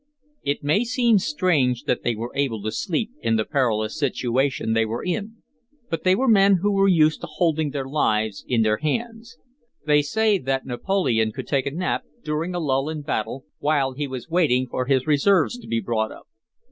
It may seem strange that they were able to sleep in the perilous situation they were in; but they were men who were used to holding their lives in their hands. They say that Napoleon could take a nap, during a lull in battle, while he was waiting for his reserves to be brought up.